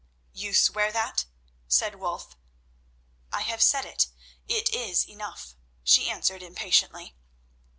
"You swear that?" said Wulf. "I have said it; it is enough," she answered impatiently.